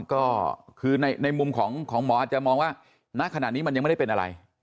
ก็คือในมุมของหมออาจจะมองว่าณขณะนี้มันยังไม่ได้เป็นอะไร